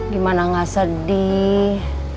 gimana gak sedih